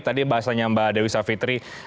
tadi bahasanya mbak dewi savitri